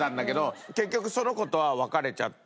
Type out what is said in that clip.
結局その子とは別れちゃって。